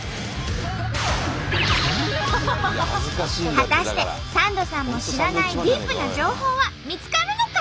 果たしてサンドさんも知らないディープな情報は見つかるのか？